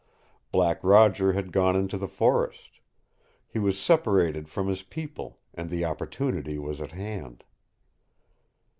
Black Roger had gone into the forest. He was separated from his people, and the opportunity was at hand.